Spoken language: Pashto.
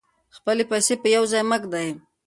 خپلې پیسې په یو ځای مه ږدئ.